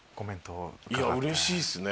うれしいっすね